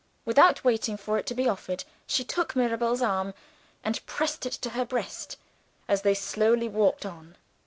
Without waiting for it to be offered, she took Mirabel's arm, and pressed it to her breast as they slowly walked on.